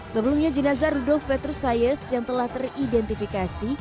sebelumnya jenazah rudolf petrus cyres yang telah teridentifikasi